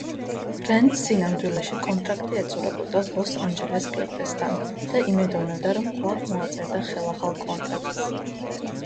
ბრენდს სინამდვილეში კონტრაქტი ეწურებოდა ლოს-ანჯელეს კლიპერსთან და იმედოვნებდა რომ კვლავ მოაწერდა ხელახალ კონტრაქტს.